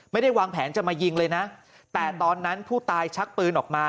ไม่ได้วางแผนจะมายิงเลยนะแต่ตอนนั้นผู้ตายชักปืนออกมา